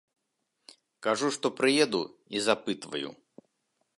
Кажу, што прыеду, і запытваю.